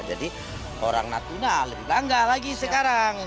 jadi orang natuna lebih bangga lagi sekarang